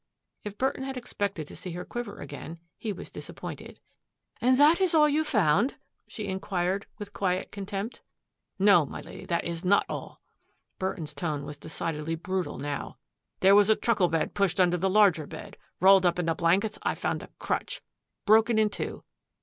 If Burton had expected to see her quiver again, he was disappointed. " And that is all you found? " she inquired with quiet contempt. " No, my Lady, that is not all." Burton's tone was decidedly brutal now. " There was a truckle bed pushed under the larger bed. Rolled up in the blankets I found a crutch, broken in two."